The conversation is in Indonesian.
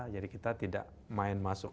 jadi kita tidak main masuk